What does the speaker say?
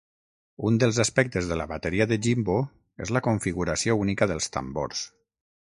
Un dels aspectes de la bateria de Jimbo és la configuració única dels tambors.